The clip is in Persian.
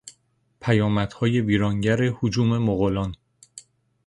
پیامدهای ویرانگر هجوم مغولان